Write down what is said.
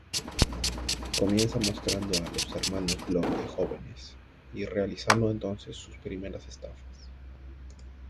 Comienza mostrando a los hermanos Bloom de jóvenes, y realizando entonces sus primeras estafas.